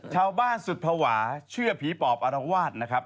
ชาวบ้านสุดภาวะเชื่อผีปอบอรวาสนะครับ